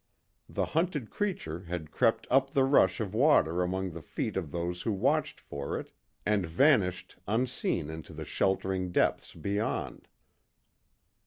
The hunted creature had crept up the rush of water among the feet of those who watched for it, and vanished unseen into the sheltering depths beyond.